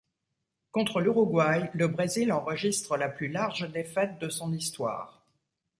Contre l'Uruguay, le Brésil enregistre la plus large défaite de son histoire.